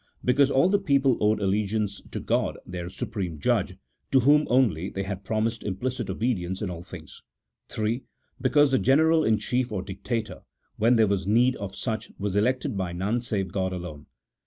Because all the people owed allegiance to G od, their supreme Judge, to whom only they had promised implicit obedience in all things. III. Because the general in chief or dictator, when there was need of such, was elected by none save God alone.